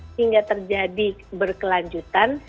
sehingga terjadi berkelanjutan